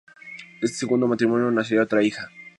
De este segundo matrimonio nacería otra hija.